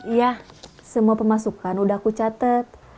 iya semua pemasukan udah aku catet